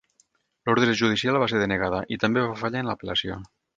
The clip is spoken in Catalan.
L'ordre judicial va ser denegada i també va fallar en l'apel·lació.